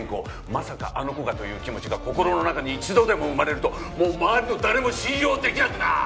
「まさかあの子が」という気持ちが心の中に一度でも生まれるともう周りの誰も信用できなくなーる！